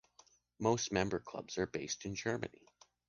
Most member-clubs are based in Germany.